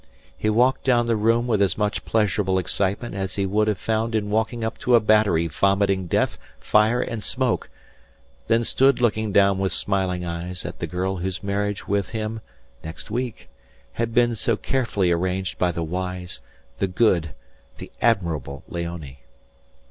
He walked down the room with as much pleasurable excitement as he would have found in walking up to a battery vomiting death, fire, and smoke, then stood looking down with smiling eyes at the girl whose marriage with him (next week) had been so carefully arranged by the wise, the good, the admirable Léonie.